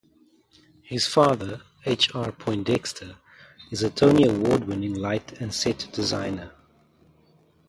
His father, H. R. Poindexter, is a Tony award-winning light and set designer.